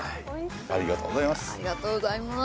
ありがとうございます